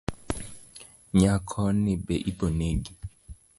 Nyako ni be ibo negi